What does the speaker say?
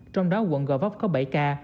trong đó quận gò vóc có bảy ca